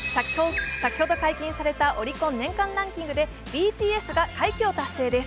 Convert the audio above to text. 先ほど解禁されたオリコン年間ランキングでＢＴＳが快挙を達成です。